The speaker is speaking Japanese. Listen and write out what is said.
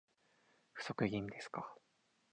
不足気味ですか